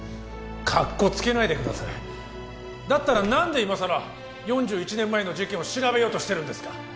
かっこつけないでくださいだったら何で今さら４１年前の事件を調べようとしてるんですか？